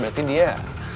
gue gak bisa liat dia jelas